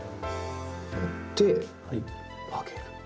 持って曲げる。